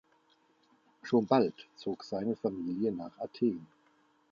Schon bald zog seine Familie nach Athen.